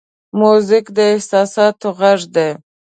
موزیک د احساساتو غږ دی.